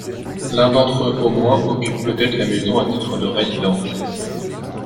L'un d'entre eux au moins occupe peut-être la maison à titre de résidence.